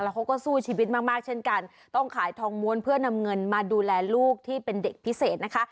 เขาก็สู้ชีวิตมากมากเช่นกันต้องขายทองม้วนเพื่อนำเงินมาดูแลลูกที่เป็นเด็กพิเศษนะคะ